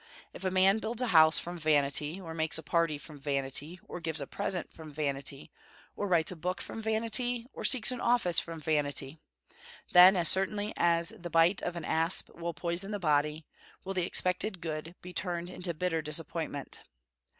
If a man builds a house from vanity, or makes a party from vanity, or gives a present from vanity, or writes a book from vanity, or seeks an office from vanity, then, as certainly as the bite of an asp will poison the body, will the expected good be turned into a bitter disappointment.